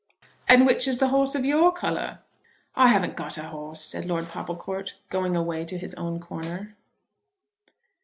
"And which is the horse of your colour?" "I haven't got a horse," said Lord Popplecourt, going away to his own corner.